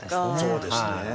そうですね。